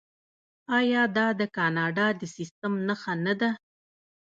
آیا دا د کاناډا د سیستم نښه نه ده؟